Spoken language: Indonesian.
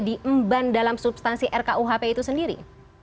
diemban dalam substansi rkuhp itu sendiri